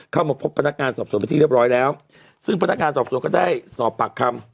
เข้ามาพบพนักงานสอบสวนเป็นที่เรียบร้อยแล้วซึ่งพนักงานสอบสวนก็ได้สอบปากคำ